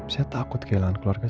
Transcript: saya takut kehilangan keluarga